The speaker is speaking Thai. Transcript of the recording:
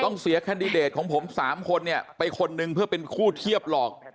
ต้องเสียแคนดิเดตของผม๓คนเนี่ยไปคนนึงเพื่อเป็นคู่เทียบหลอก